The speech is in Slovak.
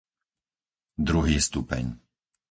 druhý stupeň